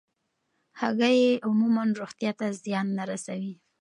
هګۍ عموماً روغتیا ته زیان نه رسوي.